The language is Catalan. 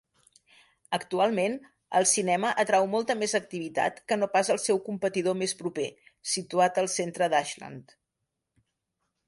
Actualment, el cinema atrau molta més activitat que no pas el seu competidor més proper, situat al centre d'Ashland.